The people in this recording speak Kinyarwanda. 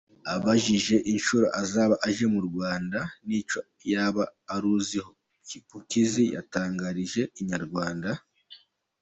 Abajijwe inshuro azaba aje mu Rwanda n’icyo yaba aruziho, Chipukizzy yatangarije inyarwanda.